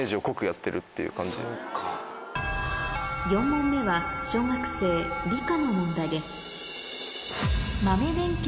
４問目は小学生理科の問題です